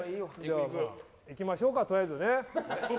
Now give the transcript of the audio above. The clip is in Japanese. いきましょうか、とりあえず。